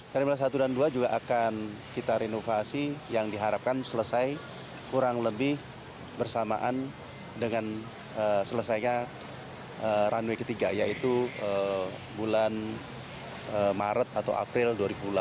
terminal satu dan dua juga akan kita renovasi yang diharapkan selesai kurang lebih bersamaan dengan selesainya runway ketiga yaitu bulan maret atau april dua ribu delapan belas